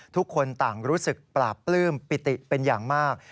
ทุกคนต่างรู้สึกปราบปลื้มปิติเป็นอย่างมาก